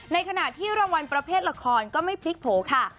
ในขณะที่รางวัลประเภทละครก็ไม่พลิกโผล่ค่ะ